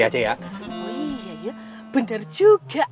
oh iya ya benar juga